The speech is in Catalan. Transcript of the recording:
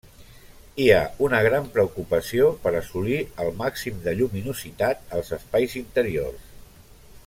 Hi ha una gran preocupació per assolir el màxim de lluminositat als espais interiors.